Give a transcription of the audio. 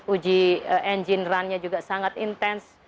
uji engine run nya juga sangat intens